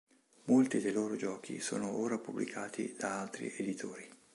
Molti dei loro giochi sono ora pubblicati da altri editori.